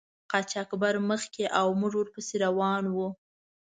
قاچاقبر مخکې او موږ ور پسې روان وو.